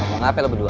kau ngapain lo berdua